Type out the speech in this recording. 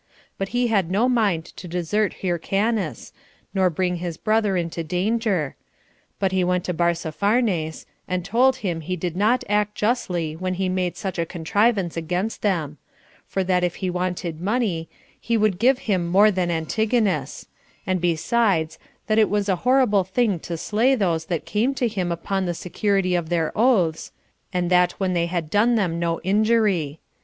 But he had no mind to desert Hyrcanus, nor bring his brother into danger; but he went to Barzapharnes, and told him he did not act justly when he made such a contrivance against them; for that if he wanted money, he would give him more than Antigonus; and besides, that it was a horrible thing to slay those that came to him upon the security of their oaths, and that when they had done them no injury.